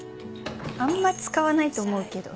あんま使わないと思うけど。